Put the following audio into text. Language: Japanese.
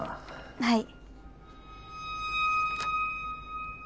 はい。